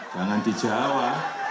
jangan di jawa